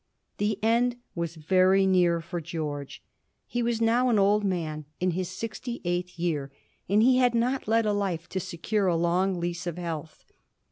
The end was very near for George. He was now an old man, in his sixty eighth year, and he had not led a life to secure a long lease of health.